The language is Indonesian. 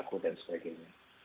periksa perilaku dan sebagainya